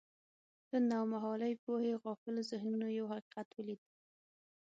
له نومهالې پوهې غافلو ذهنونو یو حقیقت ولید.